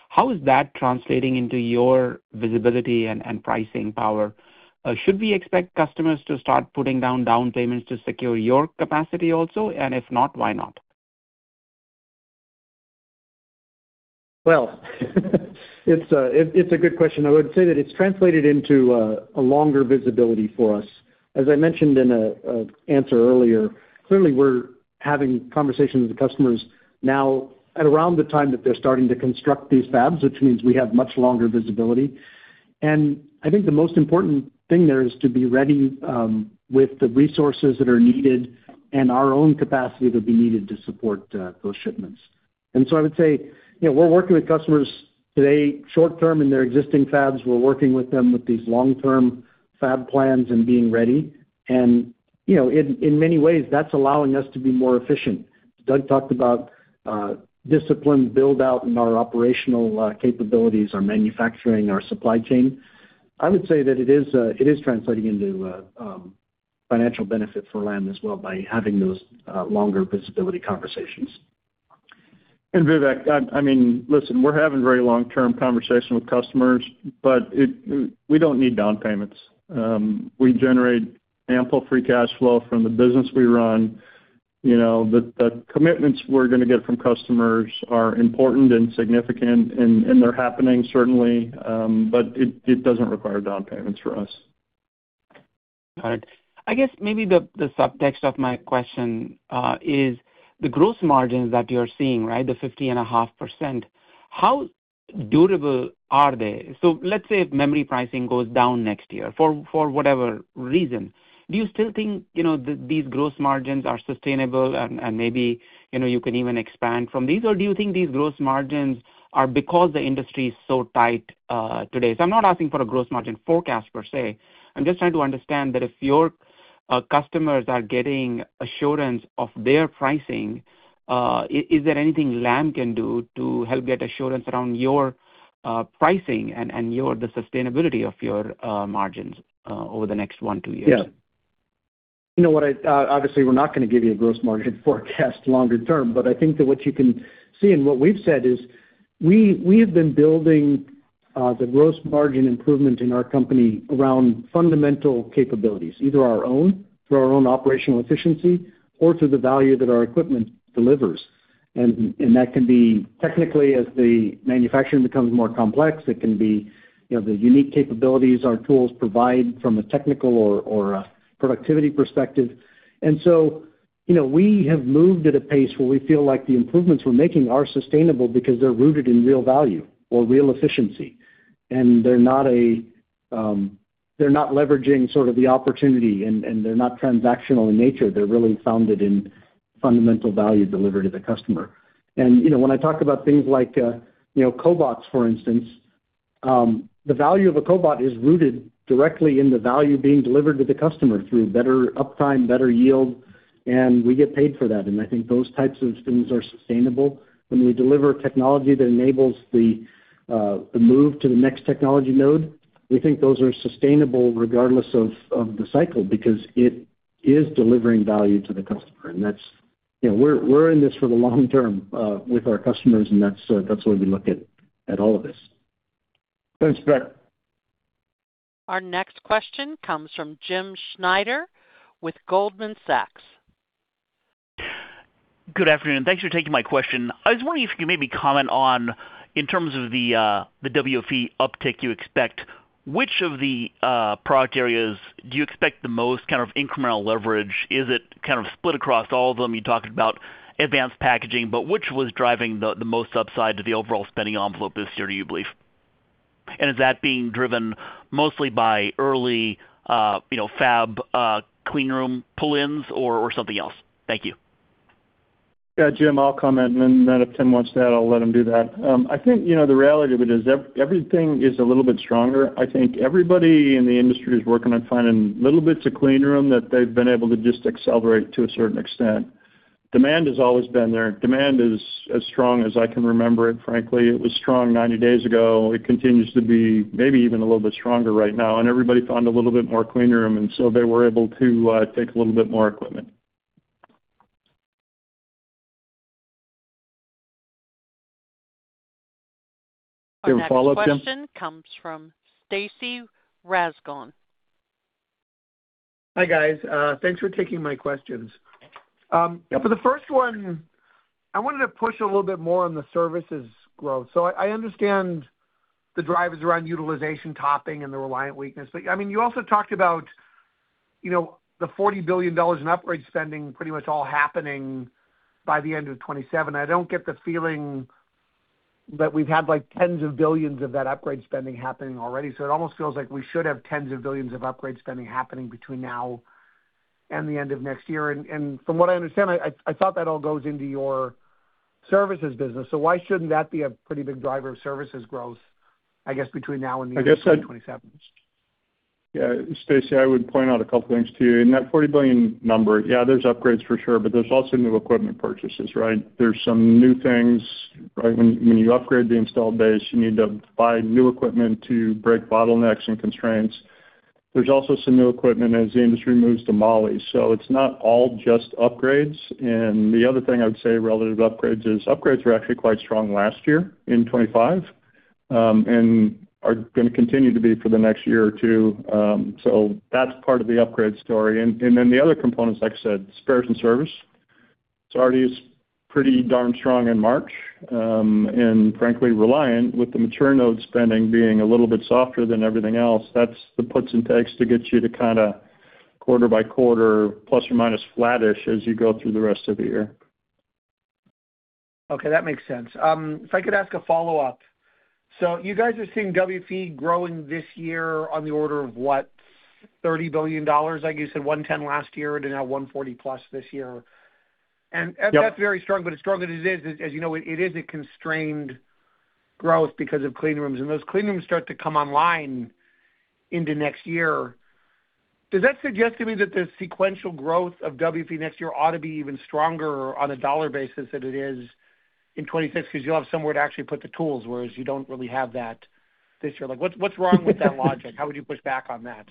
How is that translating into your visibility and pricing power? Should we expect customers to start putting down payments to secure your capacity also? If not, why not? Well it's a good question. I would say that it's translated into a longer visibility for us. As I mentioned in an answer earlier, clearly we're having conversations with customers now at around the time that they're starting to construct these fabs, which means we have much longer visibility. I think the most important thing there is to be ready with the resources that are needed and our own capacity to be needed to support those shipments. I would say, we're working with customers today short term in their existing fabs. We're working with them with these long-term fab plans and being ready. In many ways, that's allowing us to be more efficient. Doug talked about discipline build-out in our operational capabilities, our manufacturing, our supply chain. I would say that it is translating into financial benefit for Lam as well by having those longer visibility conversations. Vivek, I mean, listen, we're having very long-term conversation with customers, but we don't need down payments. We generate ample free cash flow from the business we run. The commitments we're going to get from customers are important and significant, and they're happening certainly, but it doesn't require down payments from us. All right. I guess maybe the subtext of my question is the gross margins that you're seeing, the 50.5%, how durable are they? Let's say if memory pricing goes down next year, for whatever reason, do you still think these gross margins are sustainable and maybe you can even expand from these? Do you think these gross margins are because the industry is so tight today? I'm not asking for a gross margin forecast per se. I'm just trying to understand that if your customers are getting assurance of their pricing, is there anything Lam can do to help get assurance around your pricing and the sustainability of your margins over the next 1-2 years? Yeah. Obviously, we're not going to give you a gross margin forecast longer term, but I think that what you can see and what we've said is we have been building the gross margin improvement in our company around fundamental capabilities, either our own, through our own operational efficiency, or through the value that our equipment delivers. That can be technically as the manufacturing becomes more complex, it can be the unique capabilities our tools provide from a technical or a productivity perspective. We have moved at a pace where we feel like the improvements we're making are sustainable because they're rooted in real value or real efficiency. They're not leveraging the opportunity, and they're not transactional in nature. They're really founded in fundamental value delivered to the customer. When I talk about things like cobots, for instance, the value of a cobot is rooted directly in the value being delivered to the customer through better uptime, better yield, and we get paid for that. I think those types of things are sustainable. When we deliver technology that enables the move to the next technology node, we think those are sustainable regardless of the cycle, because it is delivering value to the customer. We're in this for the long term with our customers, and that's the way we look at all of this. Thanks, Vivek. Our next question comes from James Schneider with Goldman Sachs. Good afternoon. Thanks for taking my question. I was wondering if you could maybe comment on, in terms of the WFE uptick you expect, which of the product areas do you expect the most kind of incremental leverage? Is it kind of split across all of them? You talked about advanced packaging, but which was driving the most upside to the overall spending envelope this year, do you believe? And is that being driven mostly by early fab clean room pull-ins or something else? Thank you. Yeah, Jim, I'll comment. If Tim wants to add, I'll let him do that. I think the reality of it is everything is a little bit stronger. I think everybody in the industry is working on finding little bits of clean room that they've been able to just accelerate to a certain extent. Demand has always been there. Demand is as strong as I can remember it, frankly. It was strong 90 days ago. It continues to be maybe even a little bit stronger right now, and everybody found a little bit more clean room, and so they were able to take a little bit more equipment. Do you have a follow-up, Jim? Our next question comes from Stacy Rasgon. Hi, guys. Thanks for taking my questions. For the 1st one, I wanted to push a little bit more on the services growth. I understand the drivers around utilization topping and the Reliant weakness. You also talked about the $40 billion in upgrade spending pretty much all happening by the end of 2027. I don't get the feeling that we've had tens of billions of that upgrade spending happening already, so it almost feels like we should have tens of billions of upgrade spending happening between now and the end of next year. From what I understand, I thought that all goes into your services business. Why shouldn't that be a pretty big driver of services growth, I guess, between now and the end of 2027? Yeah. Stacy, I would point out a couple things to you. In that $40 billion number, yeah, there's upgrades for sure, but there's also new equipment purchases, right? There's some new things. When you upgrade the installed base, you need to buy new equipment to break bottlenecks and constraints. There's also some new equipment as the industry moves to Molybdenum. It's not all just upgrades. The other thing I would say relative to upgrades is upgrades were actually quite strong last year in 2025, and are going to continue to be for the next year or 2. That's part of the upgrade story. Then the other components, like I said, spares and service. It's already pretty darn strong in March. Frankly, Reliant, with the mature node spending being a little bit softer than everything else, that's the puts and takes to get you to kind of quarter by quarter, plus or minus flattish as you go through the rest of the year. Okay, that makes sense. If I could ask a follow-up. You guys are seeing WFE growing this year on the order of, what, $30 billion? Like you said, $110 billion last year to now $140 billion plus this year. Yep. That's very strong, but as strong as it is, as you know, it is a constrained growth because of clean rooms. Those clean rooms start to come online into next year. Does that suggest to me that the sequential growth of WFE next year ought to be even stronger on a dollar basis than it is in 2026? Because you'll have somewhere to actually put the tools, whereas you don't really have that this year. What's wrong with that logic? How would you push back on that?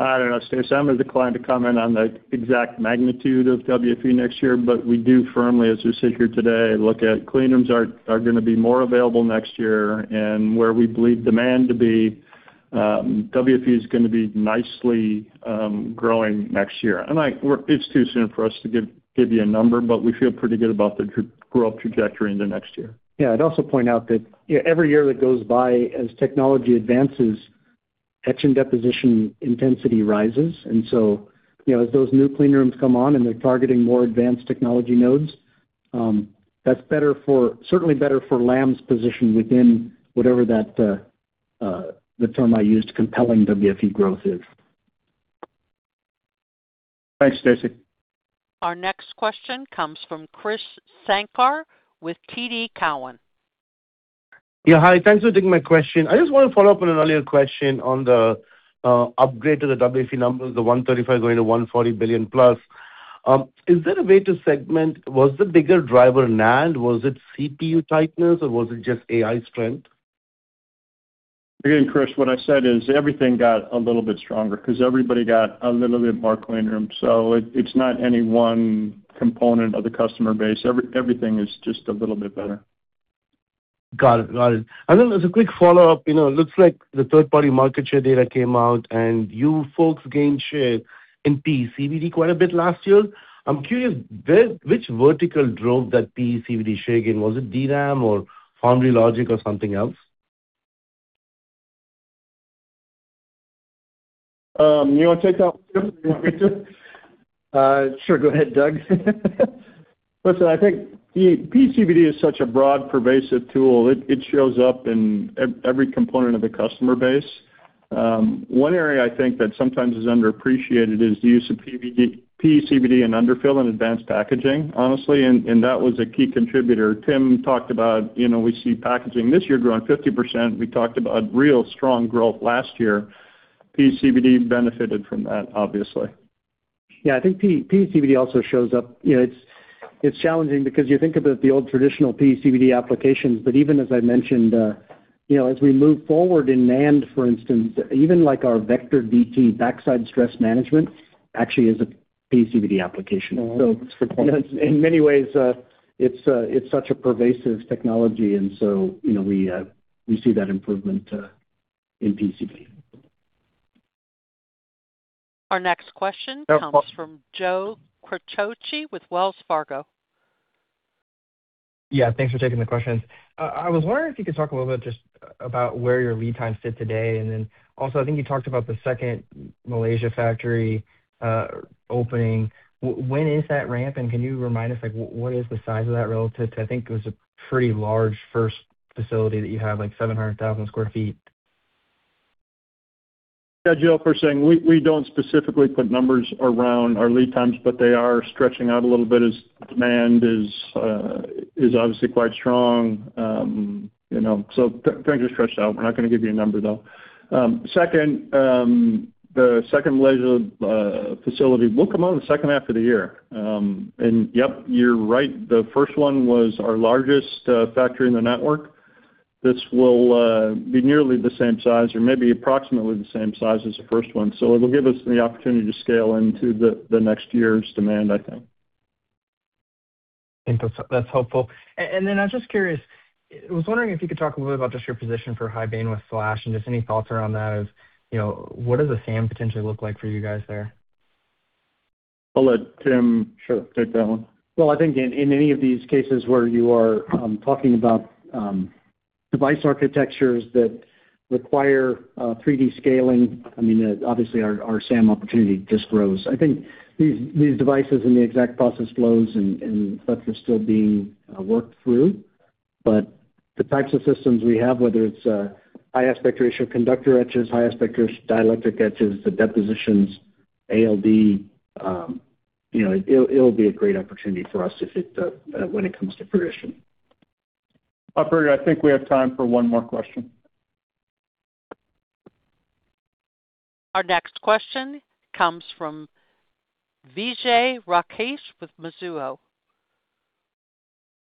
I don't know, Stacy. I'm going to decline to comment on the exact magnitude of WFE next year, but we do firmly, as we sit here today, look at clean rooms are going to be more available next year. Where we believe demand to be, WFE is going to be nicely growing next year. It's too soon for us to give you a number, but we feel pretty good about the growth trajectory into next year. Yeah. I'd also point out that every year that goes by, as technology advances, etch and deposition intensity rises. As those new clean rooms come on and they're targeting more advanced technology nodes, that's certainly better for Lam's position within whatever that the term I used, compelling WFE growth is. Thanks, Stacy. Our next question comes from Krish Sankar with TD Cowen. Yeah. Hi, thanks for taking my question. I just want to follow up on an earlier question on the upgrade to the WFE numbers, the $135 billion going to $140 billion plus. Is there a way to segment? Was the bigger driver NAND? Was it CPU tightness, or was it just AI strength? Again, Krish, what I said is everything got a little bit stronger because everybody got a little bit more clean room. It's not any one component of the customer base. Everything is just a little bit better. Got it. As a quick follow-up, it looks like the 3rd-party market share data came out, and you folks gained share in PECVD quite a bit last year. I'm curious, which vertical drove that PECVD share gain? Was it DRAM or foundry or logic or something else? You want to take that one, Tim, or you want me to? Sure. Go ahead, Doug. Listen, I think PECVD is such a broad, pervasive tool. It shows up in every component of the customer base. One area I think that sometimes is underappreciated is the use of PECVD in underfill and advanced packaging, honestly, and that was a key contributor. Tim talked about we see packaging this year growing 50%. We talked about real strong growth last year. PECVD benefited from that, obviously. Yeah. I think PECVD also shows up. It's challenging because you think about the old traditional PECVD applications, but even as I mentioned, as we move forward in NAND, for instance, even like our VECTOR DT backside stress management actually is a PECVD application. Mm-hmm. In many ways, it's such a pervasive technology. We see that improvement in PECVD. Our next question comes from Joe Quatrochi with Wells Fargo. Yeah. Thanks for taking the questions. I was wondering if you could talk a little bit just about where your lead times sit today, and then also, I think you talked about the 2nd Malaysia factory opening. When is that ramp, and can you remind us what is the size of that relative to, I think it was a pretty large 1st facility that you have, like 700,000 sq ft? Yeah, Joe. 1st thing, we don't specifically put numbers around our lead times, but they are stretching out a little bit as demand is obviously quite strong. Things are stretched out. We're not going to give you a number, though. 2nd, the 2nd Malaysia facility will come out in the H2 of the year. Yep, you're right, the 1st one was our largest factory in the network. This will be nearly the same size or maybe approximately the same size as the 1st one. It'll give us the opportunity to scale into the next year's demand, I think. That's helpful. I'm just curious, I was wondering if you could talk a little bit about just your position for High Bandwidth Flash and just any thoughts around that. What does the SAM potentially look like for you guys there? I'll let Tim take that one. Well, I think in any of these cases where you are talking about device architectures that require 3D scaling, obviously our SAM opportunity just grows. I think these devices and the exact process flows and such are still being worked through. The types of systems we have, whether it's high aspect ratio conductor etches, high aspect ratio dielectric etches, the depositions, ALD, it'll be a great opportunity for us when it comes to fruition. Operator, I think we have time for one more question. Our next question comes from Vijay Rakesh with Mizuho.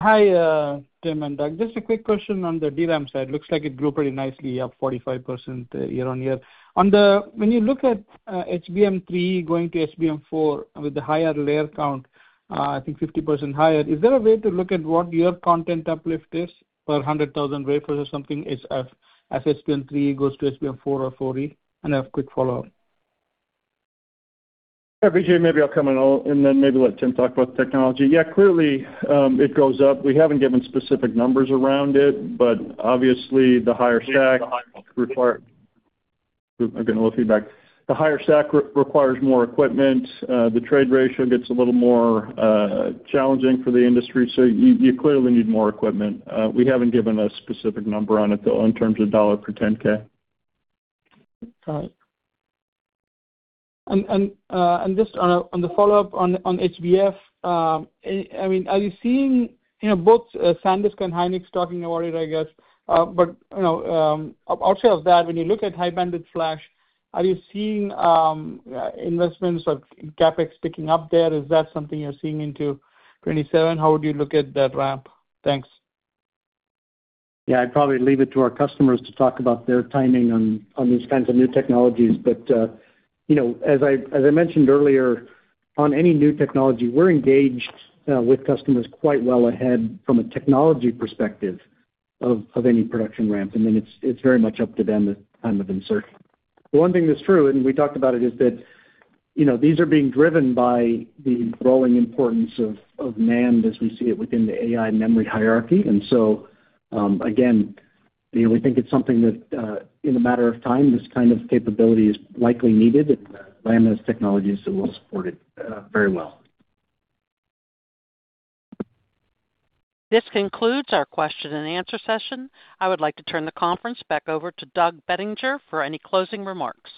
Hi, Tim and Doug. Just a quick question on the DRAM side. Looks like it grew pretty nicely, up 45% year-on-year. When you look at HBM3 going to HBM4 with the higher layer count, I think 50% higher, is there a way to look at what your content uplift is per 100,000 wafers or something as HBM3 goes to HBM4 or 40? I have a quick follow-up. Yeah, Vijay, maybe I'll come in and then maybe let Tim talk about the technology. Yeah, clearly, it goes up. We haven't given specific numbers around it, but obviously the higher stack requires more equipment. The trade ratio gets a little more challenging for the industry, so you clearly need more equipment. We haven't given a specific number on it, though, in terms of $ per 10K. Got it. Just on the follow-up on HBF, are you seeing both SanDisk and SK Hynix talking about it, I guess. Outside of that, when you look at High Bandwidth Flash, are you seeing investments of CapEx ticking up there? Is that something you're seeing into 2027? How would you look at that ramp? Thanks. Yeah. I'd probably leave it to our customers to talk about their timing on these kinds of new technologies. As I mentioned earlier, on any new technology, we're engaged with customers quite well ahead from a technology perspective of any production ramp, and then it's very much up to them the time of insertion. The one thing that's true, and we talked about it, is that these are being driven by the growing importance of NAND as we see it within the AI memory hierarchy. Again, we think it's something that, in a matter of time, this kind of capability is likely needed, and Lam Research technology is well supported very well. This concludes our question and answer session. I would like to turn the conference back over to Douglas Bettinger for any closing remarks.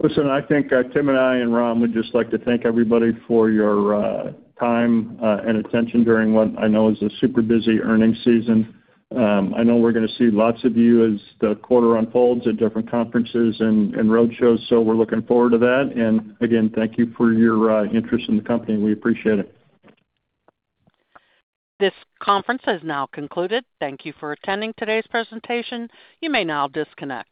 Listen, I think that Tim and I and Ram would just like to thank everybody for your time and attention during what I know is a super busy earnings season. I know we're going to see lots of you as the quarter unfolds at different conferences and roadshows, so we're looking forward to that. Again, thank you for your interest in the company, and we appreciate it. This conference has now concluded. Thank you for attending today's presentation. You may now disconnect.